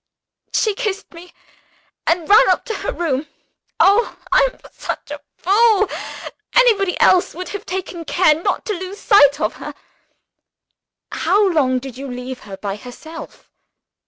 She kissed me and ran up to her room. Oh, I am such a fool! Anybody else would have taken care not to lose sight of her." "How long did you leave her by herself?"